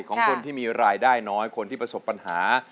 ของคนที่มีรายได้น้อยคนที่ประสบปัญหา